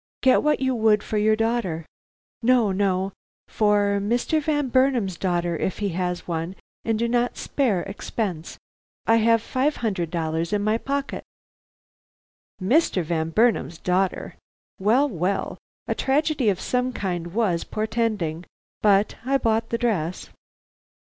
"Get what you would for your daughter no, no! for Mr. Van Burnam's daughter, if he has one, and do not spare expense. I have five hundred dollars in my pocket." Mr. Van Burnam's daughter! Well, well! A tragedy of some kind was portending! But I bought the dress.